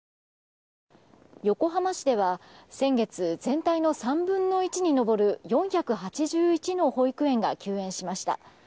横浜市では、先月全体の３分の１に上る４８１の保育園が休園しました。